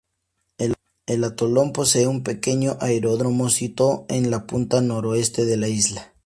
El atolón posee un pequeño aeródromo sito en la punta noroeste de la isla.